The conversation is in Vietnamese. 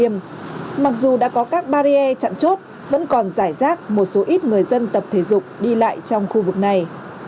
mặc dù đã có các barrier chặn chốt vẫn còn giải rác một số ít người dân tập thể dục đi lại trong khu vực này